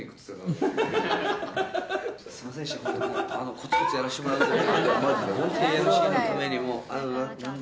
コツコツやらせてもらいますので。